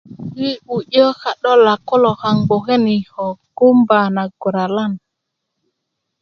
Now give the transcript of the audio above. yi' wu'yö ka' ka'dolak kulo kaaŋ gboke ni ko gumba na guralan